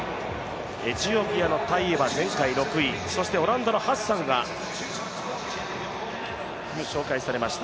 エチオピアのタイエは前回６位、そしてオランダのハッサンが紹介されました。